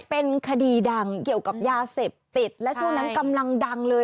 เป็นคดีดังเกี่ยวกับยาเสพติดและช่วงนั้นกำลังดังเลย